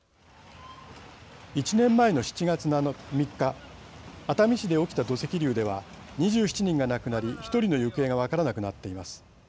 １年前の７月３日熱海市で起きた土石流では２７人が亡くなり１人の行方が分からなくなっています。